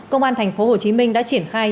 công an thành phố hồ chí minh đã triển khai